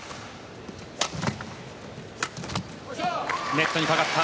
ネットにかかった。